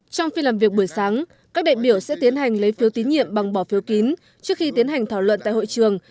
trong phiên làm việc buổi sáng các đại biểu sẽ tiến hành lấy phiếu tín nhiệm bằng bỏ phiếu kín trước khi tiến hành thảo luận tại hội trường